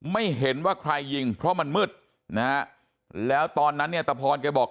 ไม่เห็นว่าใครยิงเพราะมันมืดนะฮะแล้วตอนนั้นเนี่ยตะพรแกบอก